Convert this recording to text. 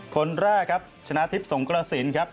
คนแรกครับชนะทิพย์สงกระสินครับ